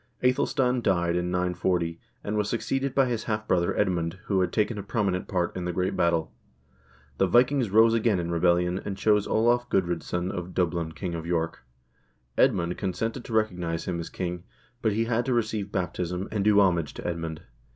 /Ethelstan died in 940, and was succeeded by his half brother Edmund, who had taken a prominent part in the great battle. The Vikings rose again in rebellion, and chose* Olav Gud r0dsson of Dublin king of York. Edmund consented to recognize him as king, but he had to receive baptism, and do homage to Edmund.